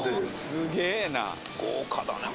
すげえな豪華だな